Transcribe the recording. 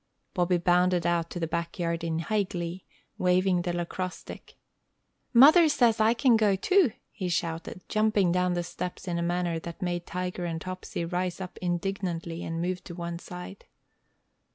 Bobby bounded out to the back yard in high glee, waving the lacrosse stick. "Mother says I can go, too," he shouted, jumping down the steps in a manner that made Tiger and Topsy rise up indignantly and move to one side.